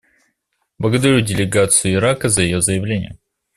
Благодарю делегацию Ирака за ее заявление.